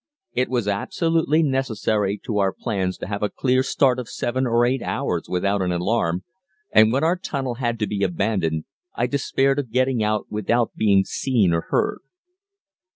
It was absolutely necessary to our plans to have a clear start of seven or eight hours without an alarm, and when our tunnel had to be abandoned I despaired of getting out without being seen or heard.